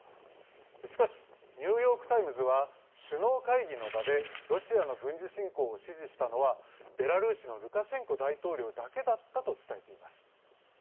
しかしニューヨーク・タイムズは首脳会議の場でロシアの軍事侵攻を指示したのはベラルーシのルカシェンコ大統領だけだったと伝えています。